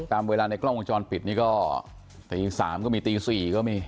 ตามเวลาในกล้องวงจรปิดนี้ก็ตี๓ก็มีตี๔ก็มี